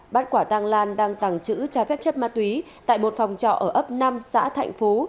bắt quả tăng lan đang tăng chữ trái phép chất ma túy tại một phòng trọ ở ấp năm xã thạnh phú